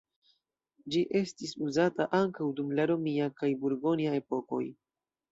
Ĝi estis uzata ankaŭ dum la romia kaj burgonja epokoj.